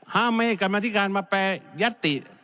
ห้ามไม่ให้กรรมธิการมาแปรยัตติ